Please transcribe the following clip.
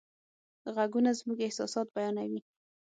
غږونه زموږ احساسات بیانوي.